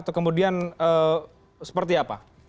atau kemudian seperti apa